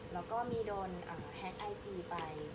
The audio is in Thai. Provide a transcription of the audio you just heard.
แล้วก็มีโดนแฮ็กไอจีไป